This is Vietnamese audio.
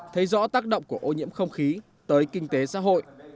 thấy rõ tác động của ô nhiễm không khí tới kinh tế xã hội